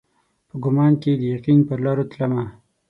په ګمان کښي د یقین پرلارو تلمه